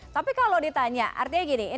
tapi kalau ditanya artinya gini